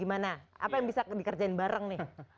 apa yang bisa dikerjakan bersama